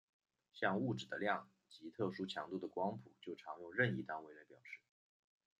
像物质的量及特殊强度的光谱就常用任意单位来表示。